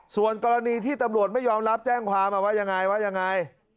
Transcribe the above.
ส่วนกรณีที่ตำรวจไม่ยอมรับแจ้งความว่าไง